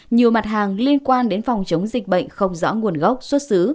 nhiều mặt hàng liên quan đến phòng chống dịch bệnh không rõ nguồn gốc xuất xứ